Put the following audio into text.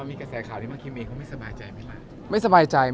มีกระแสขาวที่เมย์เขาไม่สบายใจไหมครับ